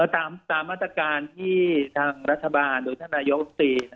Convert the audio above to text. ตามมาตรการที่ทางรัฐบาลหรือท่านนายกรุงตรี